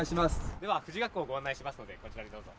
では、富士学校をご案内しますので、こちらへどうぞ。